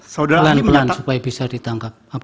pelan pelan supaya bisa ditangkap